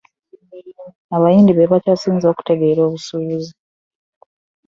Abayindi be bakyasinze okutegeera obusuubuzi.